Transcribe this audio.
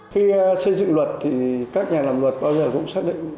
khi xây dựng luật thì các nhà làm luật bao giờ cũng xác định